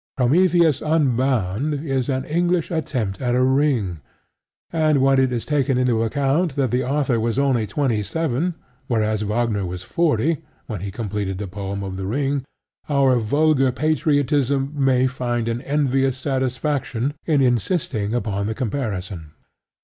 Prometheus Unbound is an English attempt at a Ring; and when it is taken into account that the author was only 27 whereas Wagner was 40 when he completed the poem of The Ring, our vulgar patriotism may find an envious satisfaction in insisting upon the comparison.